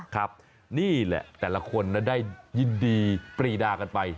ครับนี่แหละแต่ละคนได้ยินดีปรีดากันไป